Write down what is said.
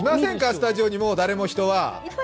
スタジオにもう人は。